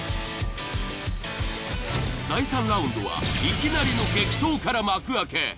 第３ラウンドはいきなりの激闘から幕開け。